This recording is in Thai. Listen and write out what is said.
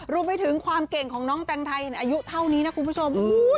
รวมไปถึงความเก่งของน้องแตงไทยอายุเท่านี้นะคุณผู้ชม